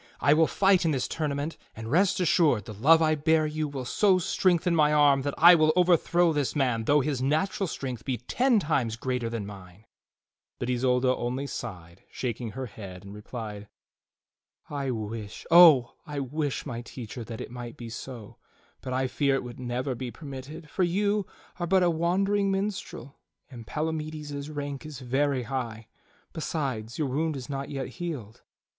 I will fight in this tournament; and rest assured, the love I bear you will so strengthen my arm that I will overthrow this man though his natural strength be ten times greater than mine." But Isolda only sighed shaking her head, and replied: "I wish, Oh! I wish, my teacher, that it might be so; but I fear it would never be permitted, for you are but a wandering minstrel and Palamides's rank is very high. Besides, your wound is not yet healed."